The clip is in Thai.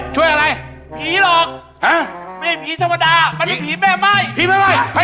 ช่วยอะไรผีหรอกอ่าไม่เป็นผีทะพฎามันได้ผีแม่ไหม้ผีแม่ไหว่ไม่